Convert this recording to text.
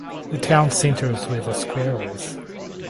The town centre is where The Square is.